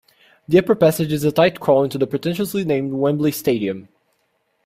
The upper passage is a tight crawl into the pretentiously named Wembley Stadium.